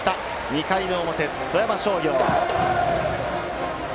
２回の表、富山商業。